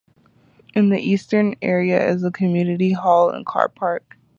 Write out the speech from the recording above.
In the eastern area is a community hall and carpark.